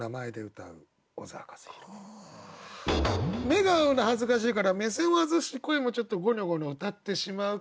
目が合うの恥ずかしいから目線を外して声もちょっとゴニョゴニョ歌ってしまう。